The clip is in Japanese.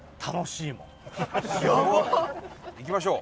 行きましょう。